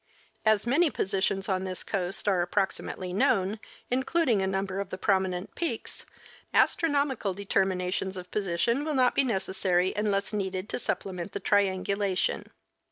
As many positions on this coast are approximately known, including a number of the prominent peaks, astronomical determinations of position will not be necessary unless needed to supplement the triangulation.